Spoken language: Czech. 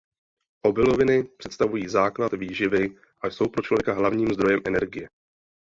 Obiloviny představují základ výživy a jsou pro člověka hlavním zdrojem energie.